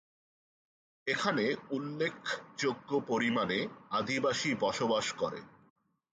এখানে উল্লেখযোগ্য পরিমাণে আদিবাসী বসবাস করে।